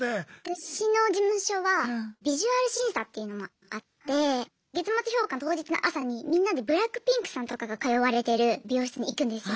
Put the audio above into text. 私の事務所はビジュアル審査っていうのもあって月末評価の当日の朝にみんなでＢＬＡＣＫＰＩＮＫさんとかが通われてる美容室に行くんですよ。